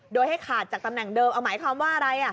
โดยให้ขาดจากตำแหน่งเดิมเอาหมายความว่าอะไร